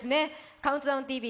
「ＣＤＴＶ」